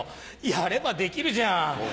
やればできるじゃん！